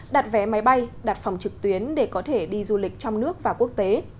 đặt vé máy bay đặt phòng trực tuyến để có thể đi du lịch trong nước và quốc tế